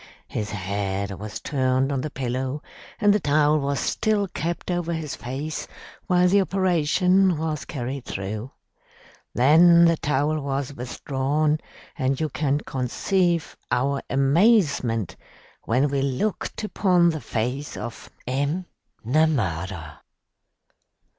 His head was turned on the pillow and the towel was still kept over his face while the operation was carried through. Then the towel was withdrawn, and you can conceive our amazement when we looked upon the face of M'Namara.